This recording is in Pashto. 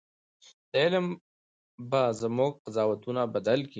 دا علم به زموږ قضاوتونه بدل کړي.